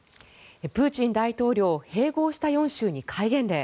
プーチン大統領併合した４州に戒厳令。